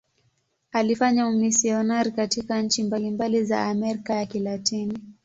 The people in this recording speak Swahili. Alifanya umisionari katika nchi mbalimbali za Amerika ya Kilatini.